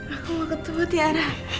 aku mau ketemu tiara